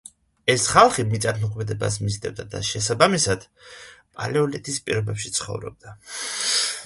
ეს ხალხი მიწათმოქმედებას მისდევდა და შესაბამისად პალეოლითის პირობებში ცხოვრობდა.